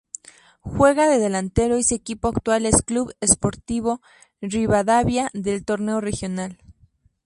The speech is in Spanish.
Juega de delantero y su equipo actual es Club Sportivo Rivadavia del Torneo Regional.